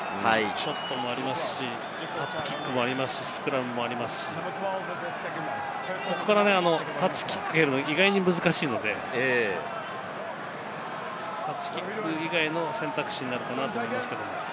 ショットもありますし、キックもありますし、スクラムもありますし、ここからタッチキックを蹴るのは意外に難しいので、タッチキック以外の選択肢になるかなと思いますけれども。